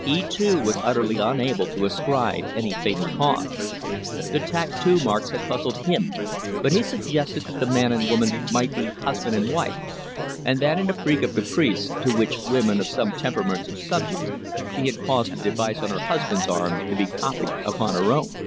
He, too, was utterly unable to ascribe any fatal cause. The tattoo marks had puzzled him, but he suggested that the man and woman might be husband and wife, and that in a freak of caprice, to which women of some temperaments are subject, she had caused the device on her husband's arm to be copied upon her own.